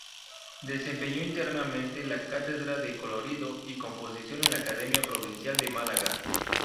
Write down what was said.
Desempeñó interinamente la cátedra de colorido y composición en la Academia provincial de Málaga.